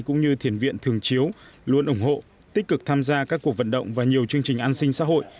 cũng như thiền viện thường chiếu luôn ủng hộ tích cực tham gia các cuộc vận động và nhiều chương trình an sinh xã hội